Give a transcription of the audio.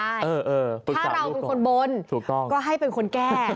ถ้าเราเป็นคนบนก็ให้เป็นคนแก้